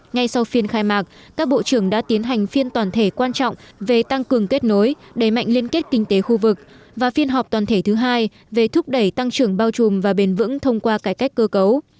ngay sau phiên khai mạc các bộ trưởng đã tiến hành phiên toàn thể quan trọng về tăng cường kết nối đẩy mạnh liên kết kinh tế khu vực và phiên họp toàn thể thứ hai về thúc đẩy tăng trưởng bao trùm và bền vững thông qua cải cách cơ cấu